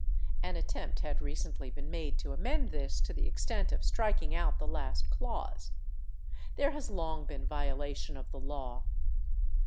An attempt had recently been made to amend this to the extent of striking out the last clause. There has long been violation of the law.